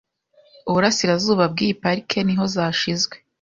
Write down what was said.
uburasirazuba bw’iyi Parike niho zashyizwe